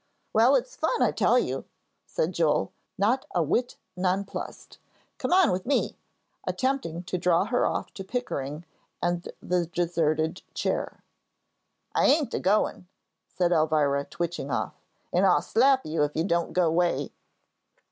"Well, it's fun, I tell you," said Joel, not a whit nonplussed. "Come on with me," attempting to draw her off to Pickering and the deserted chair. "I ain't a goin'," said Elvira, twitching off. "An' I'll slap you if you don't go 'way."